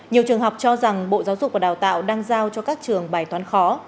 nhiều trường học cho rằng bộ giáo dục và đào tạo đang giao cho các trường bài toán khó